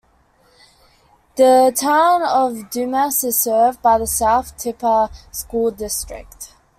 The Town of Dumas is served by the South Tippah School District.